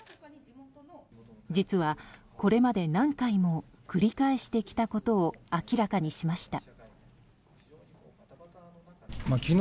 実は、これまで何回も繰り返してきたことを明らかにしました。